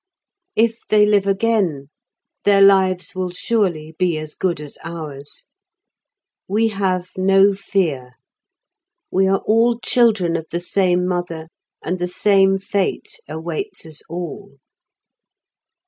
If they live again their lives will surely be as good as ours. We have no fear; we are all children of the same mother and the same fate awaits us all.